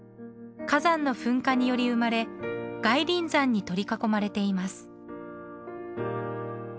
火山の噴火により生まれ外輪山に取り囲まれています。